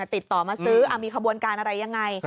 ติดต่อมาซื้อมีขบวนการอะไรยังไง